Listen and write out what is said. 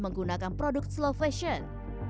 menggunakan produk slow fashion